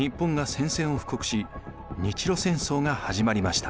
戦争が始まりました。